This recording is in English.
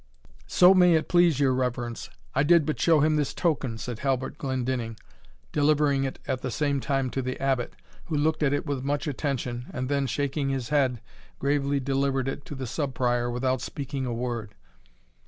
"So may it please your reverence, I did but show him this token," said Halbert Glendinning, delivering it at the same time to the Abbot, who looked at it with much attention, and then, shaking his head, gravely delivered it to the Sub Prior, without speaking a word.